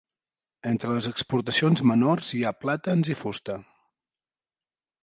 Entre les exportacions menors hi ha plàtans i fusta.